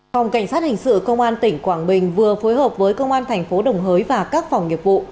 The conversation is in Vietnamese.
phòng cảnh sát hành sự công an tỉnh quảng bình vừa phối hợp với công an tp đồng hới và các phòng nghiệp vụ